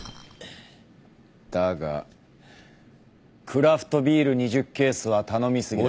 だがクラフトビール２０ケースは頼み過ぎだ。